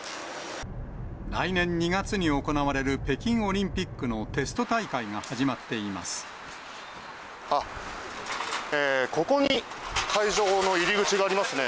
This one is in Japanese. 来年２月に行われる北京オリンピックのテスト大会が始まっていまここに会場の入り口がありますね。